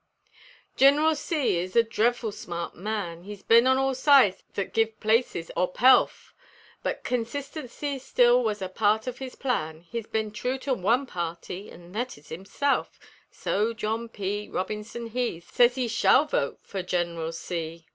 Gineral C. is a dreffle smart man: He's ben on all sides thet give places or pelf; But consistency still wuz a part of his plan He's ben true to one party an' thet is himself; So John P. Robinson he Sez he shall vote for Gineral C.